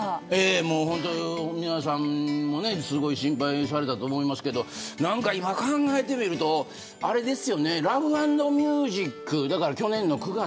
本当に皆さんもすごい心配されたと思いますけど今、考えてみるとあれですよねラフ＆ミュージック去年の９月。